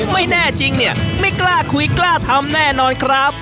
ไม่แน่จริงเนี่ยไม่กล้าคุยกล้าทำแน่นอนครับ